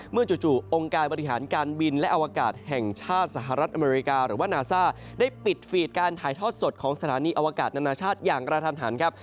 จู่องค์การบริหารการบินและอวกาศแห่งชาติสหรัฐอเมริกาหรือว่านาซ่าได้ปิดฟีดการถ่ายทอดสดของสถานีอวกาศนานาชาติอย่างกระทันหันครับ